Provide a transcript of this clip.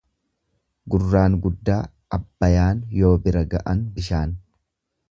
Gurraan guddaa, abbayaan yoo bira ga'an bishaan.